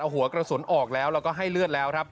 หัวกระสุนออกแล้วแล้วก็ให้เลือดแล้วครับ